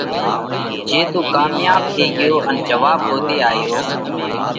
جي تُون ڪامياٻ ٿي ڳيو ان جواٻ ڳوتي آيو،